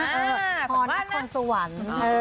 คือก่อนที่ทางสวรรค์